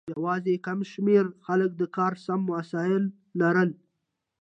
یوازې کم شمیر خلکو د کار سم وسایل لرل.